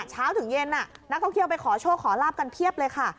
เช้าถึงเย็นนักท่องเที่ยวไปขอโชคขอลาบกันเพียบเลยค่ะ